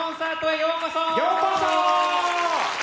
ようこそ！